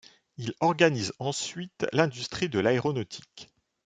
Il organise ensuite l'industrie de l'aéronautique.